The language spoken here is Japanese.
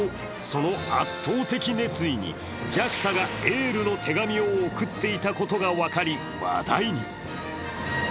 その圧倒的熱意にＪＡＸＡがエールの手紙を送っていたことが分かり話題に。